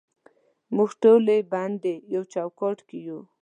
موږ ټولې بندې یو چوکاټ کې یو